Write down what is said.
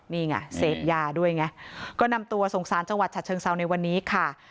นี่ไงเสพยาด้วยไงก็นำตัวส่งสารจังหวัดฉะเชิงเซาในวันนี้ค่ะ